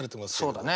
そうだね。